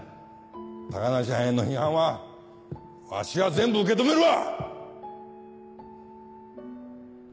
高梨はんへの批判はわしが全部受け止めるわ！